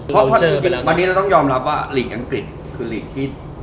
เพราะวันนี้เราต้องยอมรับว่าลีกอังกฤษคือลีกที่